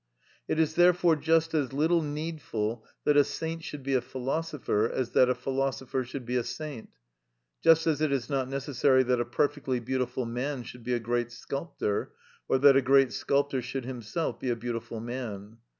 It is therefore just as little needful that a saint should be a philosopher as that a philosopher should be a saint; just as it is not necessary that a perfectly beautiful man should be a great sculptor, or that a great sculptor should himself be a beautiful man.